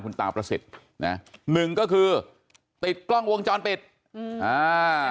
คุณตาประสิทธิ์นะหนึ่งก็คือติดกล้องวงจรปิดอืมอ่า